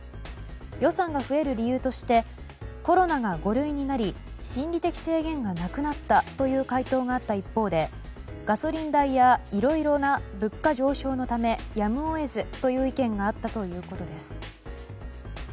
予算が増える理由としてコロナが５類になり心理的制限がなくなったという回答があった一方でガソリン代やいろいろな物価上昇のためやむを得ずという意見があったということです。